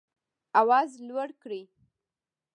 آواز لوړ کړئ